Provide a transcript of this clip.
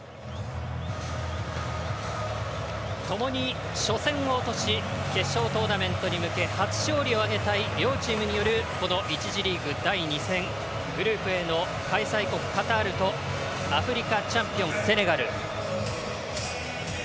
共に初戦を落とし決勝トーナメントに向け初勝利を挙げたい両チームによる１次リーグ第２戦グループＡの開催国カタールとアフリカチャンピオン、セネガル。